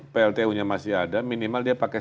pltu nya masih ada minimal dia pakai